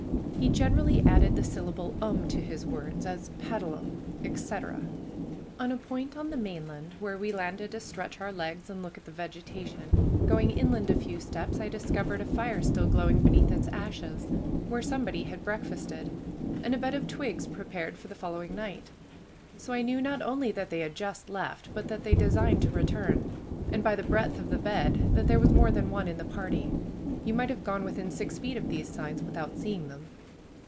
He generally added the syllable um to his words, as paddlum, etc. On a point on the mainland where we landed to stretch our legs and look at the vegetation, going inland a few steps, I discovered a fire still glowing beneath its ashes, where somebody had breakfasted, and a bed of twigs prepared for the following night. So I knew not only that they had just left, but that they designed to return, and by the breadth of the bed that there was more than one in the party. You might have gone within six feet of these signs without seeing them.